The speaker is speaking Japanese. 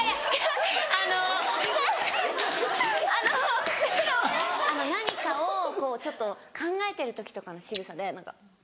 あの何かをちょっと考えてる時とかのしぐさで何か。